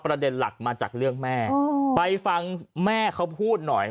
ประเด็นหลักมาจากเรื่องแม่ไปฟังแม่เขาพูดหน่อย